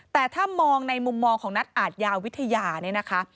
แต่ถ้ามองในมุมมองของนักอาทยาวิทยาเนี่ยนะคะ